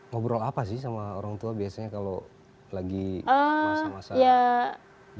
ngobrol apa sih sama orang tua biasanya kalau lagi masa masa